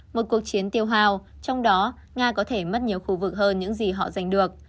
một cuộc chiến tiêu hào trong đó nga có thể mất nhiều khu vực hơn những gì họ giành được